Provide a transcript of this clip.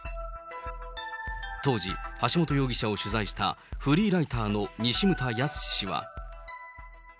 当時、橋本容疑者を取材したフリーライターの西牟田靖氏は。